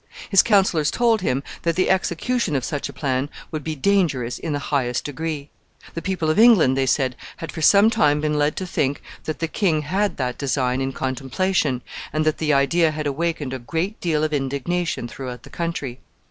His counselors told him that the execution of such a plan would be dangerous in the highest degree. The people of England, they said, had for some time been led to think that the king had that design in contemplation, and that the idea had awakened a great deal of indignation throughout the country.